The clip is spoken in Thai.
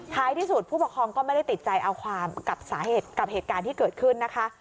ที่สุดผู้ปกครองก็ไม่ได้ติดใจเอาความกับสาเหตุกับเหตุการณ์ที่เกิดขึ้นนะคะ